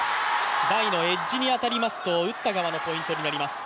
台のエッジに当たりますと打った側のポイントになります。